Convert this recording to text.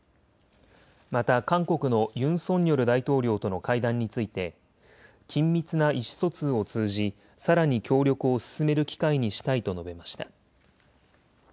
また韓国のユン・ソンニョル大統領との会談について緊密な意思疎通を通じさらに協力を進める機会にしたいと述べました。